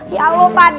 ya allah pa d